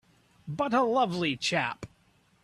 But a lovely chap!